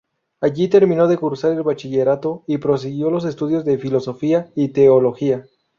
Allí terminó de cursar el bachillerato y prosiguió los estudios de filosofía y teología.